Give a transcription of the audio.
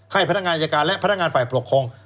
ให้พนักงานอายการและพนักงานฝ่ายปกครอง